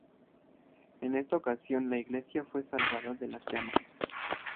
En esta ocasión la iglesia fue salvada de las llamas.